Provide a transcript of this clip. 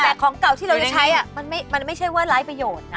แต่ของเก่าที่เราจะใช้มันไม่ใช่ว่าไร้ประโยชน์